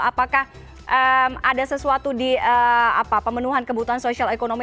apakah ada sesuatu di pemenuhan kebutuhan sosial ekonomi